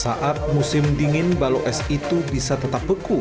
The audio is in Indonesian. saat musim dingin balo es itu bisa tetap beku